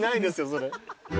それ。